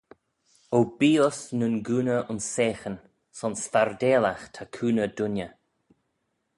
O bee uss nyn gooney ayns seaghyn: son s'fardalagh ta cooney dooinney.